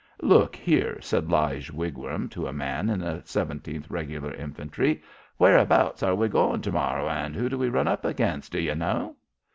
"Look here," said Lige Wigram, to a man in the 17th Regular Infantry, "whereabouts are we goin' ter morrow an' who do we run up against do ye know?"